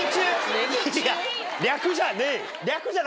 略じゃねえよ。